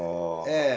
ええ。